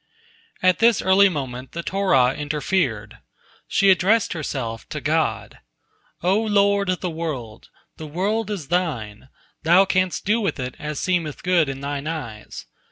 At this early moment the Torah interfered. She addressed herself to God: "O Lord of the world! The world is Thine, Thou canst do with it as seemeth good in Thine eyes.